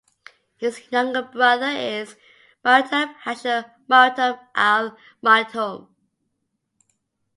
His younger brother is Maktoum Hasher Maktoum Al Maktoum.